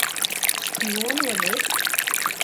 – Шпионлынет?!